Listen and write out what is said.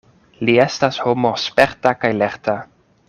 Li estas homo sperta kaj lerta.